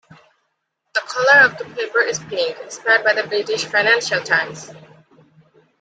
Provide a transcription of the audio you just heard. The color of the paper is pink, inspired by the British "Financial Times".